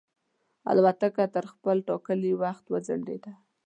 الوتکه تر خپل ټاکلي وخت وځنډېده.